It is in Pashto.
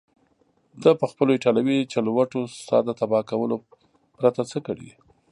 ده پخپلو ایټالوي چلوټو ستا د تباه کولو پرته څه کړي.